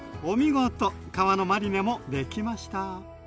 皮のマリネもできました。